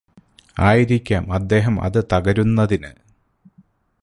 ആയിരിക്കാം അദ്ദേഹം അത് തകരുന്നതിനു